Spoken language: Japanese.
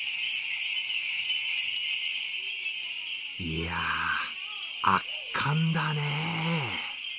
いや、圧巻だね。